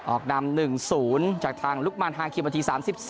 ออกนำ๑๐จากทางลุกมันฮาคิมนาที๓๔